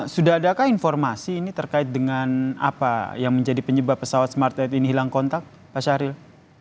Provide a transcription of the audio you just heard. sudah adakah informasi ini terkait dengan apa yang menjadi penyebab pesawat smart ini hilang kontak pak syahril